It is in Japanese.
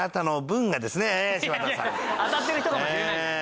当たってる人かもしれないじゃん